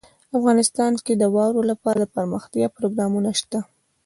افغانستان کې د واوره لپاره دپرمختیا پروګرامونه شته.